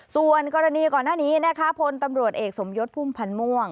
ส่วนกรณีก่อนหน้านี้นะคะพลตำรวจเอกสมยศพุ่มพันธ์ม่วง